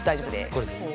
これでね？